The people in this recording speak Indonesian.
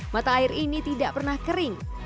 mata air ini tidak pernah kering